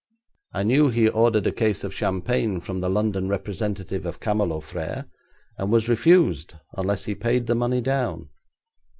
'I knew he ordered a case of champagne from the London representative of Camelot Frères, and was refused unless he paid the money down.'